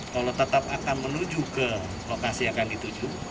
kalau tetap akan menuju ke lokasi yang akan dituju